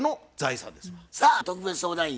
さあ特別相談員